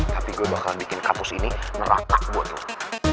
tapi gua bakalan bikin kapus ini neraka buat lo